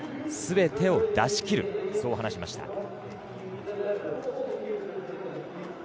すべてを出しきるそう話しました。